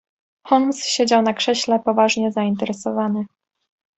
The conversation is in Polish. "Holmes siedział na krześle poważnie zainteresowany."